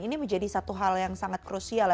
ini menjadi satu hal yang sangat krusial